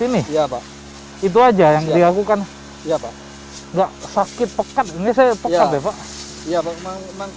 ini ya pak itu aja yang diakukan ya pak enggak sakit pekat ini saya pakai pak ya memang memang